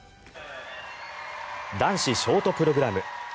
男子ショートプログラム。